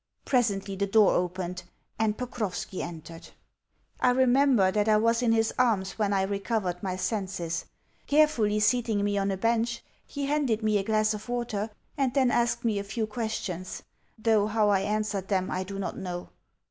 Presently the door opened, and Pokrovski entered. I remember that I was in his arms when I recovered my senses. Carefully seating me on a bench, he handed me a glass of water, and then asked me a few questions though how I answered them I do not know.